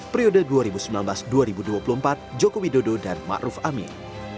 periode dua ribu sembilan belas dua ribu dua puluh empat joko widodo dan ⁇ maruf ⁇ amin